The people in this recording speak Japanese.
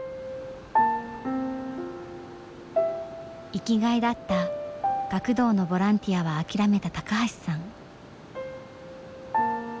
生きがいだった学童のボランティアは諦めた高橋さん。